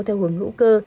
theo hướng hữu cơ